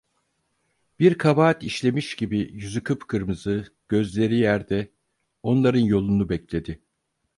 Bir kabahat işlemiş gibi yüzü kıpkırmızı, gözleri yerde, onların yolunu bekledi.